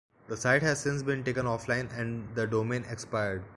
The site has since been taken offline and the domain expired.